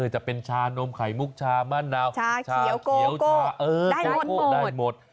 จะเป็นชานมไข่มุกชามะนาวเขียวชาพูดได้หมด